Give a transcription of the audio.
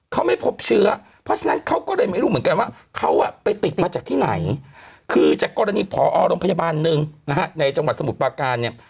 เขาไม่พบเชื้อเพราะฉะนั้นเขาก็เลยไม่รู้เหมือนกันว่าเขาไปติดมาจากที่ไหนคือจากกรณีผอโรงพยาบาลหนึ่งนะฮะในจังหวัดสมุทรปาการเนี่ย